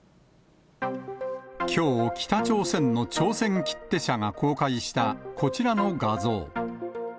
きょう、北朝鮮の朝鮮切手社が公開したこちらの画像。